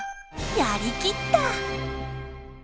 やり切った。